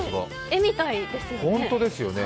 絵みたいですよね。